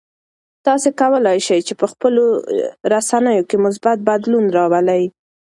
تاسو کولای شئ چې په خپلو رسنیو کې مثبت بدلون راولئ.